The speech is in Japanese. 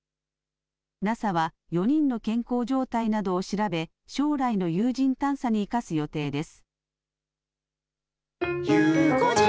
ＮＡＳＡは４人の健康状態などを調べ、将来の有人探査に生かす予定です。